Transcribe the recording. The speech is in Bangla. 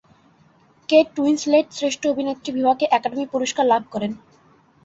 কেট উইন্সলেট শ্রেষ্ঠ অভিনেত্রী বিভাগে একাডেমি পুরস্কার লাভ করেন।